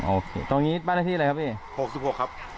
โอเคตรงนี้บ้านเล็กกี้อะไรครับพี่